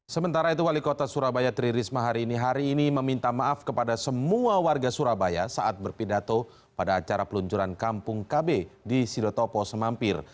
sementara itu wali kota surabaya tri risma hari ini hari ini meminta maaf kepada semua warga surabaya saat berpidato pada acara peluncuran kampung kb di silotopo semampir